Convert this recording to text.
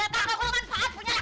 kagak mau ke manfaat punya laki